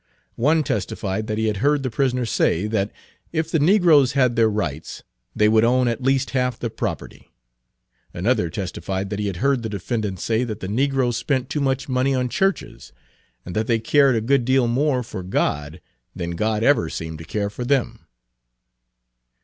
One testified that he had heard the prisoner say that, if the negroes had their rights, they would own at least half the property. Another testified that he had heard the defendant say that the negroes spent too much money on churches, and that they cared a good deal more for God than God had ever seemed to care for them.